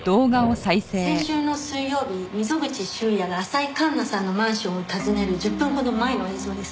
先週の水曜日溝口修也が浅井環那さんのマンションを訪ねる１０分ほど前の映像です。